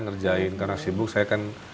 ngerjain karena sibuk saya kan